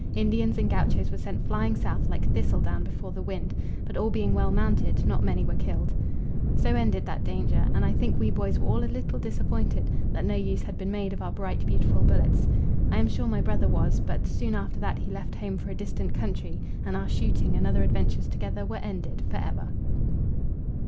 Indians and gauchos were sent flying south like thistle down before the wind; but all being well mounted, not many were killed. So ended that danger, and I think we boys were all a little disappointed that no use had been made of our bright beautiful bullets. I am sure my brother was; but soon after that he left home for a distant country, and our shooting and other adventures together were ended for ever.